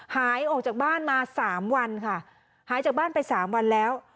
หายออกจากบ้านมาสามวันค่ะหายจากบ้านไปสามวันแล้ว